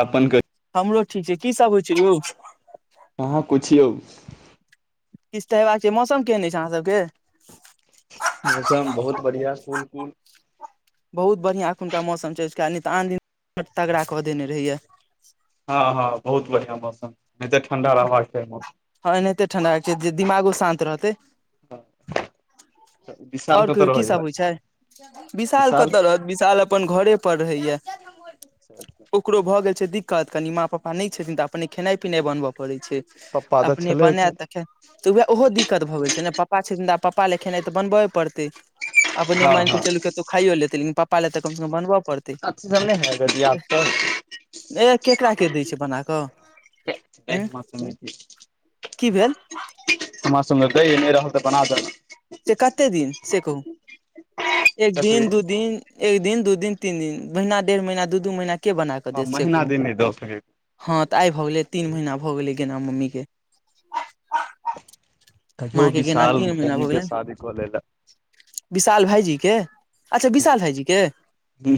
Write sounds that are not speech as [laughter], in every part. अपन कहियो हमरो ठीक छै, की सभ होइ छै, यौ आहा पुछि यौ। किछु तऽ हेबाक छै, मौसम केहन अछि छै, अहाँ सभके मौसम बहुत बढिया कूल कूल बहुत बढिया अखुनका मौसम छै, आन दिन तगड़ा कऽ देने रहयै हँ, हँ, बहुत बढ़िया मौसम। नहि तऽ ठंडा। रहबाक चाही मौसम हँ, एनाहिते ठण्डाके जे दिमागो शान्त रहतै विशाल आओर कतऽ केहियो की रहैया सभ होइ छै। विशाल कतऽ रहत विशाल अपन घरे पर रहैया। ओकरो भए गेल छै, दिक्कत कनि माँ पापा नहि छथिन तऽ अपने खेनाई पिनाई बनबय पड़ै छै। पप्पा तऽ अपने छलै एखन बनेत। तऽ उएह ओहो दिक्कत भऽ गेल छै, ने पप्पा छै तऽ आ पप्पा खेनाई तऽ बनबये पड़तै। अपने हँ मानिके हँ चलूके तो खाइयो लेते लेकिन पप्पा ले कम से कम बनबै। अी सभ नहि है दियद आ सभ ए केकराके दै छै बना कऽ [unintelligible] उं हमरा की भेल माँ सभ नहि रहल तऽ बना से कते दिनसे कहू एक कथी दिन दू दिन? एक दिन दू दिन तीन दिन महीना डेढ़ महीना दू दू महीनाके बना कऽ हँ देतसे महिना कहू? दिन नहि दऽ सकै हँ, तऽ आइ भऽ गेलै तीन महीना भऽ गेलै गना मम्मीके। कहियो माँ के गेना विशाल तीन महीना भऽ भाइजेके गेलनि शादित होलै लए विशाल भाईजीके अच्छा, विशाल भाईजीके? हूँ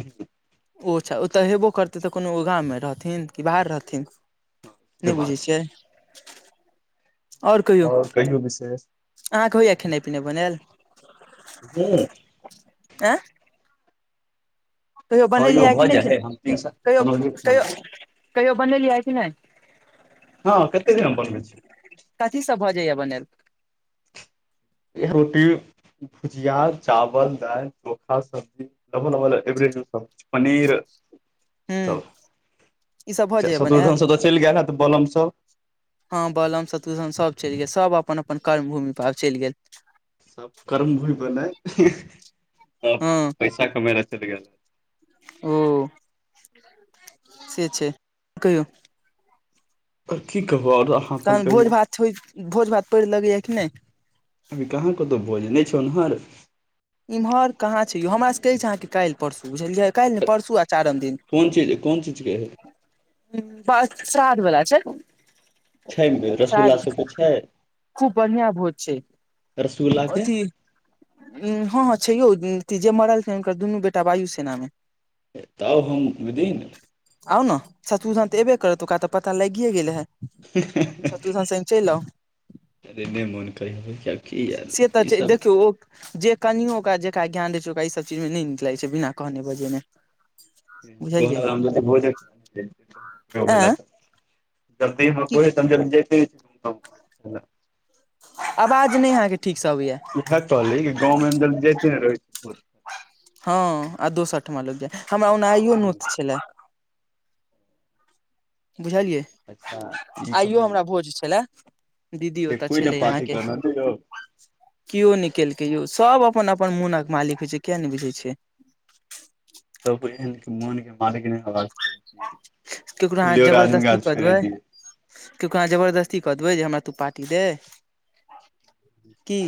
ओ छ ओ तऽ हेबो करतै तऽ कोनो ओ गाममे रहथिन की बाहर रहथिन हँ से नहि बुझै बात [inaudible] छै छियै आओर कहियौ कहियौ विशेष आहक होइय खेनै पीनै बनैल ह आँ [unintelligible] कहियो हँ यौ बनेलियैँ कि भऽ नहि जाइ कि हय हम नहि तीन सा कहियो बनौलियै कहियो खाना कहियो बनेलिय है की नहि हँ कतेक दिन बनबे छि कथी सब भ जाइया बनेल इह रोटी [unintelligible] भुजिया चावल दालि चोखा सब्जी पनीर हूँ त ई सब भऽ जाइया बनायल शत्रुधन सब तऽ चलि गेल त बलम सब [unintelligible] हँ बलम सतुशन सब चलि गेल सब अपन अपन कर्म भूमि पर आब चलि गेल सब कर्म भूमि पर ने सब हँ पैसा कमाय ला चलि गेल है ओ से छै कौयो की कहब आओरो अहाँ अपन तहन भोज कहियौ भात भोज भात पड़ि लगैया कि नहि अभी कहाँ क ओतहु भोज नहि छौ ओनहर इम्हर कहाँ छै यौ हमरासके कह अछि छै अहाँके काल्हि परसू बुझलियै काल्हि ने परसू आ चारम दिन कोन चीज कोन चीजके है परसाद बला छै छै ने रसगुल्ला श्राद्ध सबके छै खूब बढ़आ भोज छै रसगुल्लाके अथि हँ हँ छै यौ जे मरल छै हुनकर दुनू बेटा वायु सेनामे तब हम विदीन आउ ने सत्रु धन तऽ एबे करत ओकरा तऽ पता लगिए गेले हे सत्रुधन चैल आउ अे नहि मोन कै हेबै किब की आयल से तऽ छै ईसभ देखियौ ओ जे कनियै ओकरा जेकरा ज्ञान रहै छै ओकरा ईसभ चीजमे नहि नीक लागै छै बिना कहने बजैने ब बहु एं [unintelligible] जल्दी हम कि आवाज नहि अहाँके ठीकसँ अबैया इएह कहली की गाँवमे हम जते ने रहै छी हँ आ दोसर ठमा लग जाय हमरा ओनाहियो नोत छलाह बुझलियै अच्छा ई आइयो कहू हमरा भोज छलाह दीदी जे ओतऽ कोइ ने छलै पार्टी यहाँकके करना ने यौ केओ नहि केलकै यौ सभ अपन अपन मोनक मालिक होइत छै किया नहि बुझै छै त एहन मोन के मारग नहि होबाक चाही फिल्ले आदमीे छोड़े दिय [unintelligible] केको अहाँ जबरदस्ती कऽ देबै जे हमरा तू पार्टी दे कि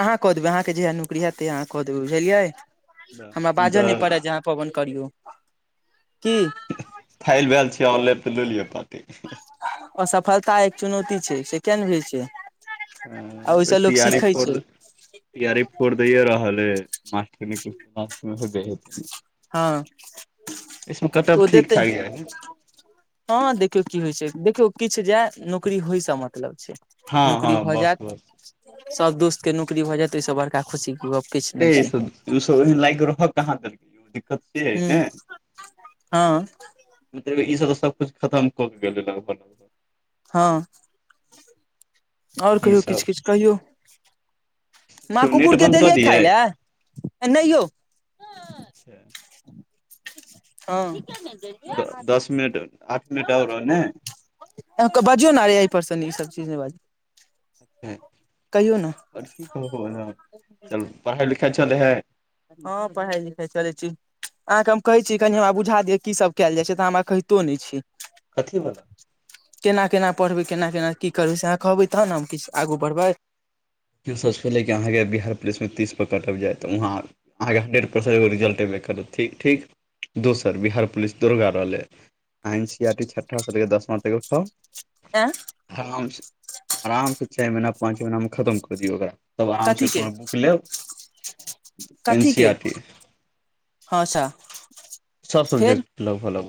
अहाँ कऽ देबै अहाँके जेहिया नौकरी हतै तहिया अहाँ कऽ देबै बुझलियै हमरा बाजय नहि तऽ पड़ै पवन करियौ की फाइल भेल छै ऑनलाइन तऽ द लिअ पाटी असफलता एक चुनौती छै से किया नहि बुझई छिए आ ओहिसँ लोक तैयारी सीखै फोड़ छै तैयारी फोड़ दैए रहल है मास्टर [unintelligible] हँ इसमे कटब ओ ठीक दैते ठाक जाइ हइ। हँ देखियौ की होइ छै देखियौ किछु जाय नौकरी होइसँ मतलब छै हँ नौकरी हँ भए बस जायत बस सब दोस्त के नौकरी भए जायत ओहिसँ बड़का खुशी के गप किछु नहि छै र लागग रह कहाँ दर दिक्कत से है हूँ ने हँ मतलब ई सब तऽ सबकुछ खत्म कऽ गेल [unintelligible] हँ आओर ई कहियौ किछ सब किछ कहियौ माँ केओ नेट कुकुर के बन्द कऽ देलियै खाय दियै लए नहि यौ अ [unintelligible] हँ दस मिनट आठ मिनट आरो रहल नहि बाजियो ने रे एहि परस ई सब चीज [unintelligible] कहियौ ने आओर की कहब पढ़ाइ लिखाइ चलै है ने हँ पढ़ाइ लिखाइ चलै छी अहाँकेँ हम कहै छी कनि हमरा बुझा दिअ कीसभ कयल जाइ छै तऽ हमरा कहितो नहि छी कथी बला केना केना पढ़बै केना केना की करबै सेहाँ कहबै तह ने हम किछ आगू बढ़बै के सभसँ पहिले कि अहाँके बिहार पुलिसमे तीस कटप कटि जाय तऽ वहाँ अहाँके हंडेड परसें एगो रिल्टेब करत ठीक ठीक [unintelligible] दोसर बिहार पुलिस दरोगा रहलय एन सी आी छठा से लक दसमा तक यं [unintelligible] आराम से आराम से छै महीना पाँच महीनामे खत्म कर दियौ ओकरा तब आराम कथी से के कोनो बुक लेब एन कथी सी के आर टी हँ सा सब सब्जेक्ट लगभग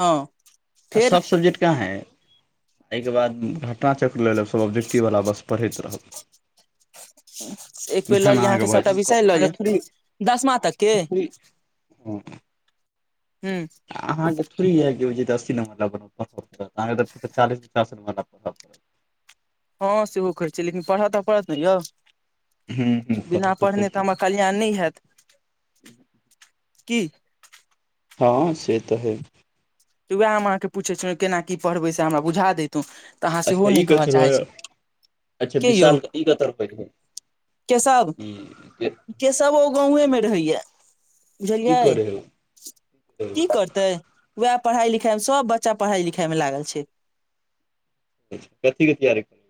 हँ आ फेर सब सब्जेक्ट कहाँ एहिके बाद घटना चक्र ल लेल सभ ओब्जेक्टिवला बस पढ़ैत रहब एक बेेर लऽ उएहमे लिअ अहाँके भऽ सभटा विषय लऽ लिअ जायत अहाँके दसमा तक केँ हँ हँ अहाँकेँ थोड़े इएह कि हो छै अस्सी प पड़त अहाँके चालीस पचास पढ़त हँ सेहो कहै छ लेकिन पढ़त तऽ पढ़त ने यौ हूँ हूँ बिना पढ़ऽ पढ़ने तऽ पड़तै हमरा कल्याण नहि हयैत की हँ से तऽ है तऽ उएह हम अहाँके पूछैत छलहुँ केना की पढ़बै से हमरा बुझा देैतहु अच्छा ई कथ रह अच्छा के यौ विशालके ई कतऽ छै [unintelligible] केशव केशव ओ गाँंव मे रहैया की बुझलियै करै हइ की करतै वएह पढ़ाई लिखाई मे सब बच्चा पढ़ाई लिखाई मे लागल छै कथी क तैयारी हइ?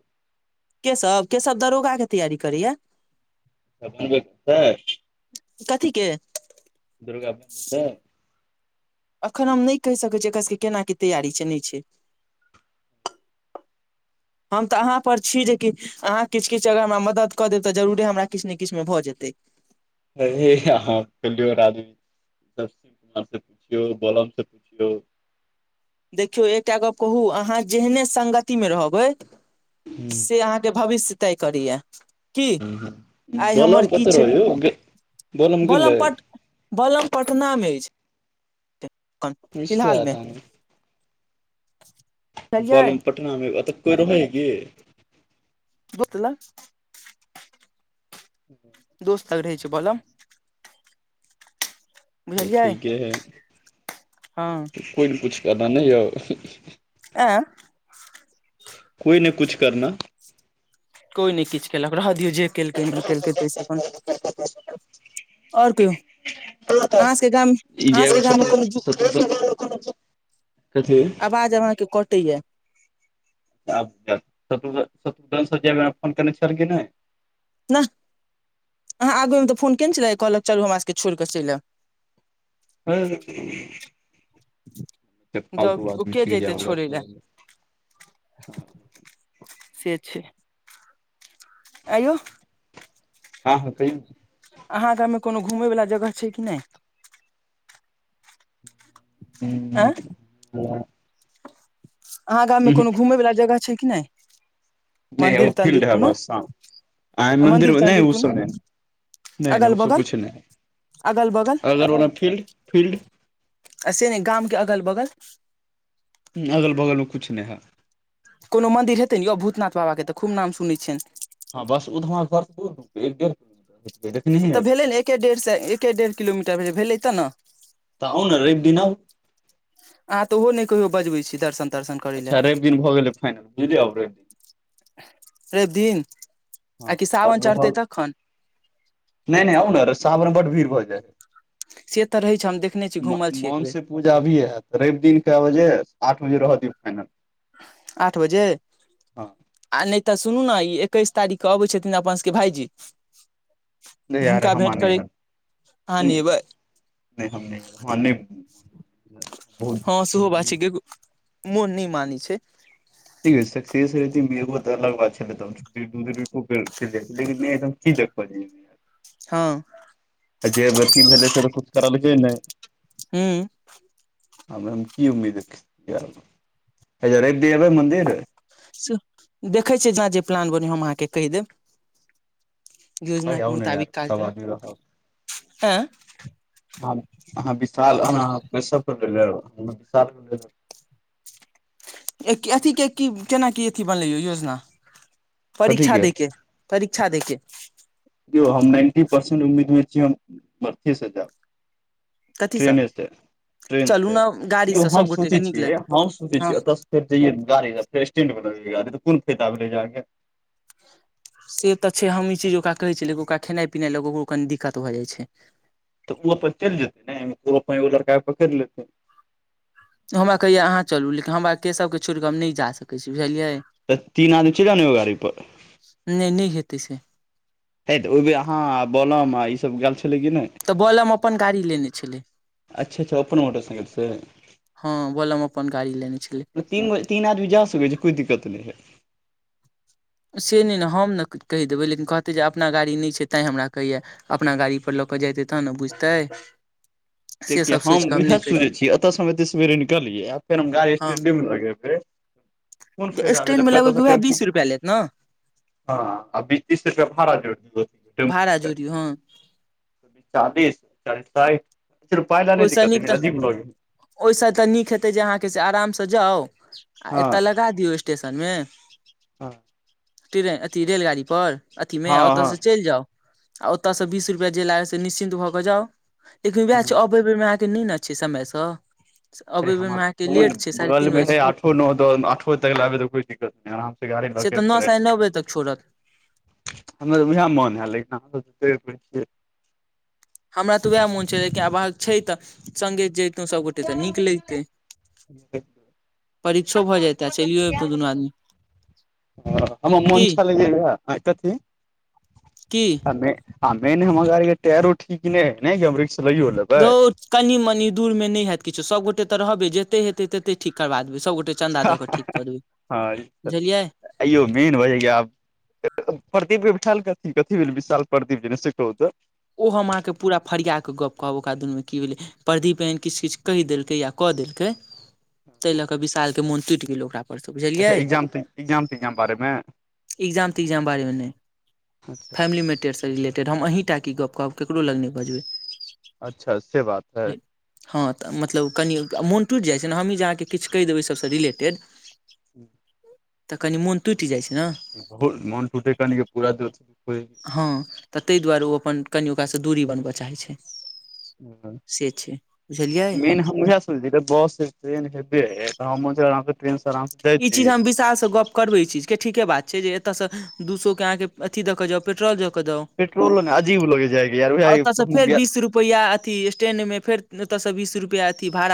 केशब के सब दरोगाक के तैयारी करैया त बनब त कथीे के दुर्गा ब त एखन हम नहि कहि सकैत छियै एकर केना की तैयारी छै नहि छै हम तऽ अहाँ परर छी जेकि अहाँ किछु किछु अगर हमरा मदद कऽ देब तऽ जरूरे हमरा किछु ने किछुमे भऽ जेतै अ अहाँ [unintelligible] [unintelligible] से पुछियौ [unintelligible] से पुछियौ देखियौ एकटा गप कहू अहाँ जेहने सगतिमे रहबै से अहाँकेँ भविष्य तय करीए की आइ हमर बलम कतऽ किछु रहै यौ गे- बलम पट बलम पटना मे अछि मिश्रा फिलहालमे बालम पटना मे अतऽ कोइ रहैय एहि की तोतला [unintelligible] दोस्त रहै छै बोल त ठीके है हँ कोइ न कुछ करना ने यौ आय कोइ ने कुछ करना कोइ नय किछु केलक रह दियौ जे केलकै नय ई केलकै ताहिसँ अपन आओर कहियौ अहाँसभके गाम ई जे अहाँसभके गाममे सतु- कोनो जु सतु- कथी आवाज अहाके कटय या आब जेत शत्रुन स फोन कने छल कि नहि नहि अहाँ आगूए मे तऽ फोन केने छलै कहलक चलू हमर सभकेँ छोड़ि क चलि आब हँ फालतू जब ओ आदमेी के छी जा जैते छोड़ै लए से छै ऐयो हँ हँ कहियौ अहाँ गाम में कोनो घूमय वला जगह छै कि नहि ऐअ ह अहाँ गाम में कोनो घूमय वला जगह छै कि नहि नहि मंदिर एगोफील्ड तंदिर है कोनो बस आप मंदिर मन्दिरमे नहि तंदिर ओ कोनो समय नय नय अगल ओ सब बगल किुछ नहि अगल बगल अगर ओ फील्ड फील्ड आ से नय गाम के अगल बगल अगल बगलमे किछु नहि हइ कोनो मन्दिर हेतै ने यौ भूतनाथ बाबाके तऽ खूब नाम सुनय छियनि हँ बस ओहो हम घरसँ दू दूपै एकडेढ़ किलोमीटर [unintelligible] तऽ हेबै भेलै ने एके डेढ़सँ एके डेढ़ किलोमीटर भेलै त ने तऽ आउ ने रैब दिन आउ अहाँ त ओहो नय कयो बजबै छी दर्शन तर्शन करै लए अच्छा रैब दिन भ गेलै फाइल बुझलियै रव दिन रैबदिन हँ लगभग नहि नहि आ ने र सावन मे बड भीड़ भ जेतय से तऽ रहै छै हम देखने छी घूमल छी एक बेेर द बजे अभी होयत रैब दिन कए बजे आठ बजे रहऽ दियौ फाइनल आठ बजे हँ आ नहि त सुनू ने ई एकैस तारीख के अबै छथिन अपन सभके भाईजी नहि यार हुनका हमरा भेंट नहि करी हैत अहा नय एबै नहि हम नहि हम नहि बहुत हँ सेहो बात दिक्कत छै मोन नय मानै छै देखियौ सकसेस रहितय एगो ब त अलग बादले छेलै ल की देखै हँ आ जे अथी भेलै से त कुछ करलकै नय हँ की उम्मीद रखियै आब अछा लैब दिन एबैमन्दिर‌ देखै छियै जहाँ जे प्लान बन हम अहाँकेँ कहि देब अ योजना के आउ ने यार मुताबिक काज सब करै आदमी रहब हँ आब आहा विशाल बैसब कते देर एक अथी के की केना की अथ बनलै योजना परीक्षा दै के परीक्षा दैके देखौ हम नाइन्टी परसेंट उम्मीद मे छी हम मर्थे से जाब कथीसँ ट्रेनेसँ ट्रेन चलू से ने यौ गाड़ीसँ हम सभ गोटेके सोचै नीक छियै लगतै हम सोचैत हँ छियै ओतय सऽ फेरइये गाी फेर स्टेंड मे लग गाड़ी त को फायदा भेले के से तऽ छै हम ई चीज ओकरा कहै छियै ओकरा खेनाइ पिनाइ लऽ कऽ ओकरो कनि दिक्कत भऽ जाइत छै तऽ ओ अपन चलि जेतै ने ओ अपन एगो लड़का पकड़ि लेते हमरा कैया अहाँ चलू लेकिन हमरा केसभकेँ छड़ कऽ हम नहि जा सकैत छी बुझलियै तऽ तीन आदमी चलिान ओ गाड़ी पर नहि नहि खेतै से हे तऽ ओहि बे अहाँ आ बलम आर ईसभ गेल छलै कि नहि तऽ बॉलम अपन गाड़ी लेने छलि अच्छा अच्छ ओपन मोटरसाइकिलसे हँ बोलम अपन गाड़ी लेने छलै तीन तीन आदमी जा सकै छै कोइ दिक्कत नहि हइ से नहि ने हम ने कहि देबै लेकिन कहतै जे अपना गाड़ी नहि छै तैँ हमरा कहैए अपना गाड़ी परर लऽ कऽ जेतै तहन ने बुझतै से कियि सब सोचि हम कऽ इएह नहि कहै सोचै छियै छीियै एतऽसँ हम एते सेरे निकलिय आ फेर हम गाड़ी हँ स्टैंडे मे लगेबै कोन फायदा स्टैंड मे लगभग आ उएह टेम्पू बीस रुपआ लेत ने हँ अभी तीस तीस रुपआ भारा जोङ दियो त जोड़ हँ चालीस चालस सा र पाय ल नहि त ओहिसँ नीक कती तऽ अजीब ल ओहिसँ तऽ नीक हेतै जे अहाँके से आरामसँ जाउ आ हँ एतय लक दियौ स्टेशन मे हॅ ट्रेन अथी रेलगाड़ी पर अथी मे ओतय हँ से चलि जाउ आ ओतय से बीस रुपआ जे लागल से निश्चिन्त भऽ के जाउ लेकिन हँ अबे बेर मे आहाँके न ने अछि समय स अरे कोन बगल तीन मे है बजे छै आठ नओ द आठ तक लबे त कोइ दिक्कत नै गाड़ी से तऽ नओ ल साढ़े [inaudible] नओ बजे तक छोड़त [unintelligible] हमर उएह मोन हय लेकिन जत छियै हमरा तऽ वएह मोन छै लेकिन आब छै तऽ सगे जे सबगोटे तऽ निक लगतै परीक्षो भऽ जत आ चलियो एबतो दुनू आदमी ह हमर मोन की ल कथी की आ मेन हमर गाड़ी के टायरो ठीक ने ह ने कि हम रिकस लाइयो रौ कनि मनि दूर मे नहि हयैत किछो सभगोटे तऽ रहबै जते हेतै तते ठीक करबा देबै सभगोटे चन्दा दऽ कऽ ठीक कऽ देबै बुझलिए अइयो मेन होइय आब प्रदीपके बिठायलथी कथी भेल विशाल प्रदीप जे से कहू तऽ ओ हम आहाँके पूरा फरिया कऽ गप्प कहब ओकरा दुनमे की भेलै परधी पहिन किछु किछ कहि देलकै या कऽ देलकै ताहि लऽ कऽ विशाल के मोन टूटि गेल ओकरा अच्छा बुझलियै एग्जाम एग्जाम तेग्जाम बारे मे एग्जाम त्जाम बारेमे नहि अच्छा फैमिली मैटरसँ रिलेटेड हम आहीँ टा की गप्प कहब ककरो लग नहि बजबै अच्छा से बात है हँ तऽ मतलब कनि मोन टुटि जाइ छै ने हमही जे अहाँके किछु कहि देब ओहि सभसँ रिलेटेड ह [unintelligible] तऽ कनि मोन टुटि जाइ छै ना बहुत मोन टूटे क न पूरा हँ तऽ ताहि दुआरे ओ अपन कनि ओकासँ दूरी बनबऽ चाहै छै से छै बुझलियै मेन हम बस ट्रेन हेबै है त [unintelligible] टन सर [unintelligible] ई चीज हम विशाल स गप करबै ई चीजके ठीके बात छै जे एतऽसँ दू सएके अहाँके अथी दऽ कऽ जाउ पेट्रोल दऽ कऽ दक ज पेट्रोलो ने अजीब लगै जाएग यएह रुपैया अथि स्टेंड मे फेर ओतऽ से बीस रुपआ अथी भाड़ा